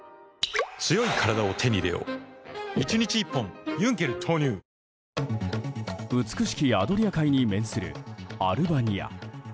サントリー「金麦」美しきアドリア海に面するアルバニア。